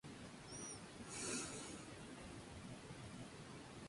Fue muerto a su vez por un liberto de Al-Husayn.